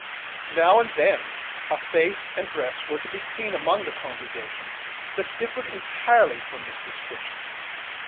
Now and then a face and dress were to be seen among the congregation, that differed entirely from this description.